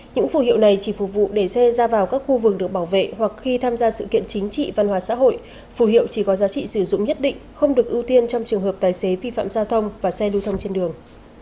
những phù hiệu này chỉ phục vụ để xe ra vào các khu vườn được bảo vệ hoặc khi tham gia sự kiện chính trị văn hóa xã hội phù hiệu chỉ có giá trị sử dụng nhất định không được ưu tiên trong trường hợp tài xế vi phạm giao thông và xe lưu thông trên đường